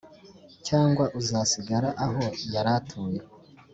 cyangwa uzasigara aho yari atuye